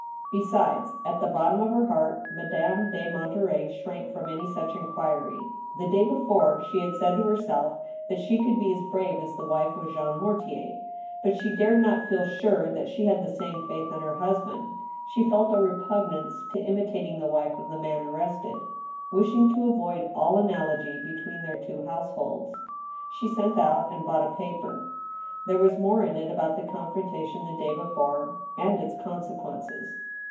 Besides, at the bottom of her heart, Madame de Monterey shrank from any such inquiry. The day before, she had said to herself that she could be as brave as the wife of Jean Mortier. But she dared not feel sure that she had the same faith in her husband. She felt a repugnance to imitating the wife of the man arrested ; wishing to avoid all analogy between their two households. She sent out and bought a paper. There was more in it about the confrontation the day before, and its consequences.